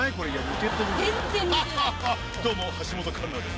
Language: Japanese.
どうも橋本環奈です。